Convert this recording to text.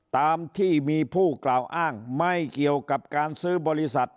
ตามที่มีผู้กล่าวอ้างไม่เกี่ยวกับการซื้อบริษัท